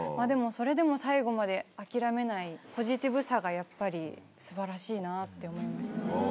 それでも最後まで諦めないポジティブさがやっぱり素晴らしいなって思いましたね。